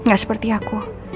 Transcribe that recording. gak seperti aku